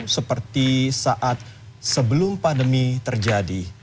seperti saat sebelum pandemi terjadi